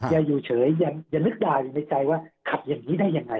อย่าอยู่เฉยอย่านึกด่าอยู่ในใจว่าขับอย่างนี้ได้ยังไง